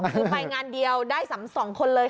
คือไปงานเดียวได้๒คนเลย